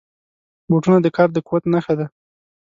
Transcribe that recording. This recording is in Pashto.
بوټونه د کار د قوت نښه ده.